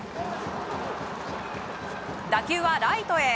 打球はライトへ。